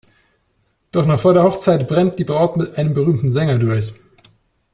Doch noch vor der Hochzeit brennt die Braut mit einem berühmten Sänger durch.